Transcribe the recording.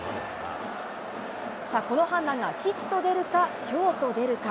この判断が吉と出るか、凶と出るか。